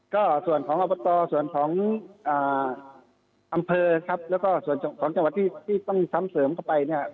ก็ส่วนของอบตส่วนของอำเภอครับแล้วก็ส่วนของจังหวัดที่ต้องซ้ำเสริมเข้าไปเนี่ย